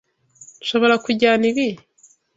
Nshobora kujyana ibi?